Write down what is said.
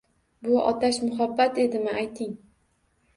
Bu otash muhabbat edimi, ayting?